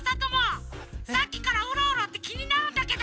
さっきからウロウロってきになるんだけど！